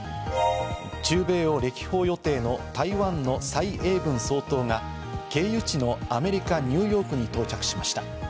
中米を歴訪予定の台湾のサイ・エイブン総統が経由地のアメリカ・ニューヨークに到着しました。